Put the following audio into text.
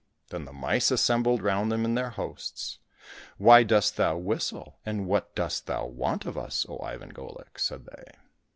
Then the mice assembled round them in their hosts :" Why dost thou whistle, and what dost thou want of us, O Ivan Golik ?" said they.